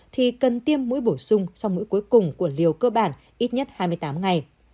thì cần tiêm mũi bổ sung sau mũi cuối cùng của liều cơ bản ít nhất hai mươi tám ngày